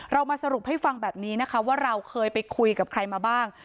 เรามาสรุปให้ฟังแบบนี้นะคะว่าเราเคยไปคุยกับใครมาบ้าง